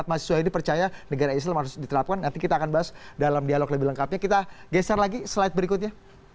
mahasiswa ini percaya negara islam harus diterapkan nanti kita akan bahas dalam dialog lebih lengkapnya kita geser lagi slide berikutnya